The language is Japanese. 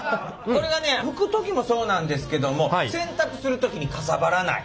これがね拭く時もそうなんですけども洗濯する時にかさばらない。